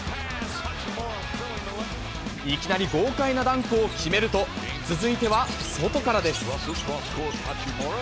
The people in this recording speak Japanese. いきなり豪快なダンクを決めると、続いては外からです。